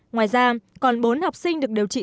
ngoài ra còn bốn học sinh được điều trị